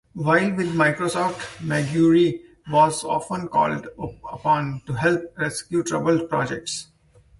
While with Microsoft, Maguire was often called upon to help rescue troubled projects.